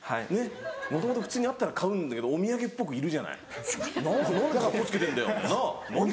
もともと普通にあったら買うんだけどお土産っぽくいるじゃない何でカッコつけてんだよってな。